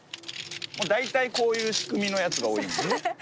大体こういう仕組みのやつが多いですよね。